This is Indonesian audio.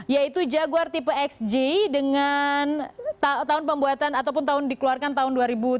yaitu jaguar tipe xj dengan tahun pembuatan ataupun tahun dikeluarkan tahun dua ribu tujuh belas